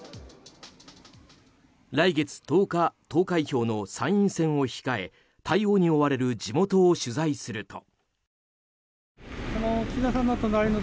来月１０日投開票の参院選を控え対応に追われる地元を取材すると。